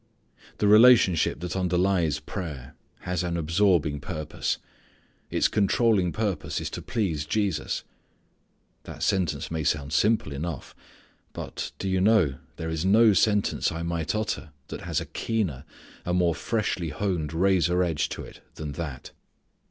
The relationship that underlies prayer has an absorbing purpose. Its controlling purpose is to please Jesus. That sentence may sound simple enough. But, do you know, there is no sentence I might utter that has a keener, a more freshly honed razor edge to it than that.